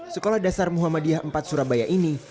sekolah dasar muhammadiyah empat surabaya ini